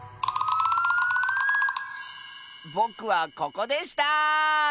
ぼくはここでした！